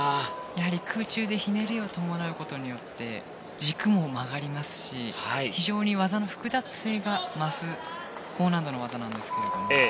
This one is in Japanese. やはり空中でひねりを伴うことによって軸も曲がりますし非常に技の複雑性が増す高難度の技なんですけども。